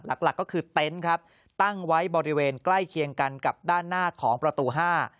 หลักหลักก็คือเต็นต์ครับตั้งไว้บริเวณใกล้เคียงกันกับด้านหน้าของประตูห้า